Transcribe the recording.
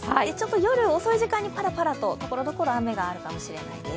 夜遅い時間にぱらぱらと、ところどころ雨があるかもしれないです。